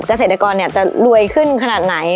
เกษตรกรจะรวยขึ้นขนาดไหน